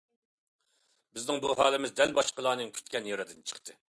بىزنىڭ بۇ ھالىمىز دەل باشقىلارنىڭ كۈتكەن يېرىدىن چىقتى.